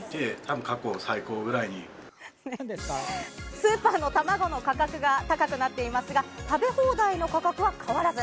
スーパーのたまごの価格が高くなっていますが、食べ放題の価格は変わらず。